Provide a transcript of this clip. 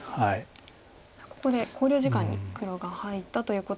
さあここで考慮時間に黒が入ったということで。